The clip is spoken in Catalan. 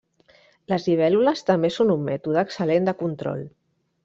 Les libèl·lules també són un mètode excel·lent de control.